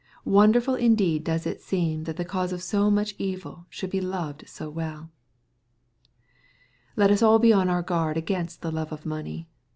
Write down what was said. Wonderful indeed does it seem that the cause of so much eviljhould be loved so well Let us all be on our guard against the love of money.